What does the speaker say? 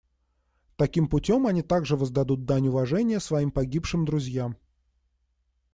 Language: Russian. Таким путем они также воздадут дань уважения своим погибшим друзьям.